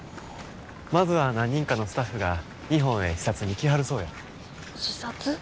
まずは何人かのスタッフが日本へ視察に来はるそうや。視察？